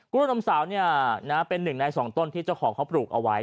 กล้วนมสาวเนี่ยเป็น๑ใน๒ต้นที่เจ้าของเขาปลูกเอาไว้